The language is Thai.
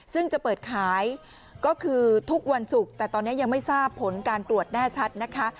ซึ่งจะเปิดขายก็คือทุกวันศุกร์แต่ตอนนี้ยังไม่ทราบผลการตรวจแน่ชัดนะคะ